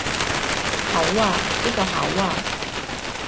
口呀,呢個口呀